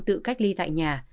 tự cách ly tại nhà